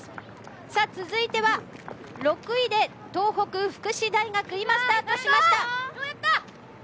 さあ、続いては６位で東北福祉大学今スタートしました。